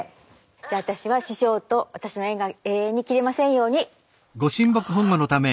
じゃあ私は師匠と私の縁が永遠に切れませんように。